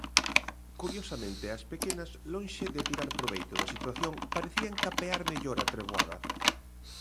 Curiosamente, as pequenas, lonxe de tirar proveito da situación, parecían capear mellor a treboada.